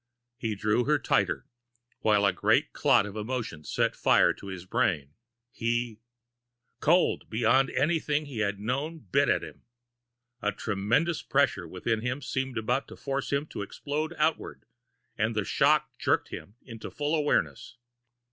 He drew her tighter, while a great clot of emotion set fire to his brain. He Cold beyond anything he had known bit at him. A tremendous pressure within him seemed about to force him to explode outwards, and the shock jerked him into full awareness.